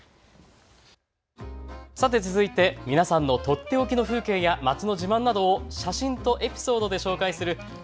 続いて皆さんの取って置きの風景や街の自慢などを写真とエピソードで紹介する＃